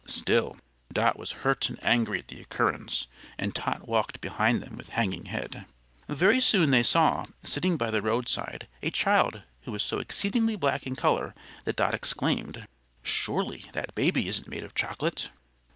Still, Dot was hurt and angry at the occurrence, and Tot walked behind them with hanging head. Very soon they saw, sitting by the roadside, a child who was so exceedingly black in color that Dot exclaimed: "Surely, that baby isn't made of chocolate!"